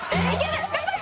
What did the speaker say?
「頑張れ！